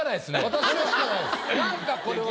私は何かこれは。